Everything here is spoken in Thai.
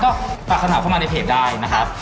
ก็ปรับสนับเข้ามาในเพจได้นะครับ